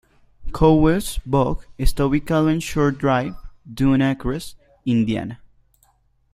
Cowles Bog está ubicado en Shore Drive, Dune Acres, Indiana.